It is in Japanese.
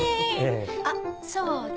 あっそうだ！